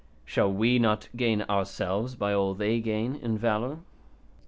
Shall we not gain ourselves by all they gain in valour?"